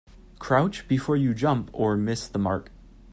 Crouch before you jump or miss the mark.